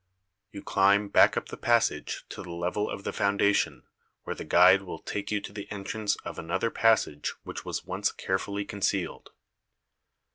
You climb back up the passage to the level of the foundation, where the guide will take you to the entrance of another passage which was once carefully concealed.